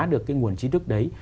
được cái nguồn chi thức đấy